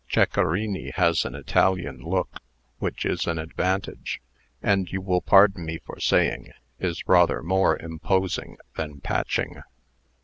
Ceccarini has an Italian look, which is an advantage; and, you will pardon me for saying, is rather more imposing than Patching."